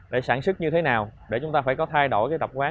để sản xuất như thế nào để chúng ta phải có thay đổi cái tập quán